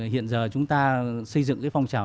hiện giờ chúng ta xây dựng cái phong trào